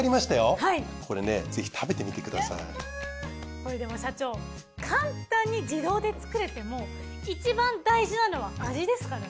これでも社長簡単に自動で作れてもいちばん大事なのは味ですからね。